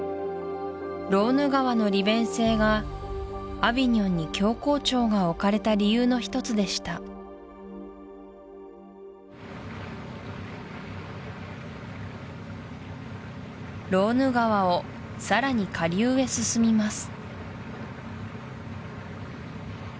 ローヌ川の利便性がアヴィニョンに教皇庁が置かれた理由の一つでしたローヌ川をさらに下流へ進みます